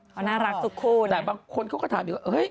เขาน่ารักทุกคนแต่บางคนเขาก็ถามอีกว่าเฮ้ย